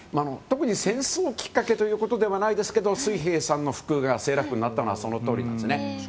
特に戦争きっかけということではないですけど水兵さんの服がセーラー服になったのはそのとおりなんです。